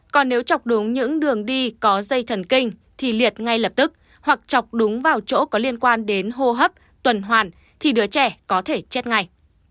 còn nếu chọc đúng những đường đi có dây thần kinh thì liệt ngay lập tức hoặc chọc đúng vào chỗ có liên quan đến hô hấp tuần hoàn thì đứa trẻ có thể chết ngay